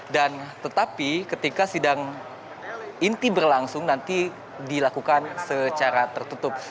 dan tetapi ketika sidang inti berlangsung nanti dilakukan secara tertutup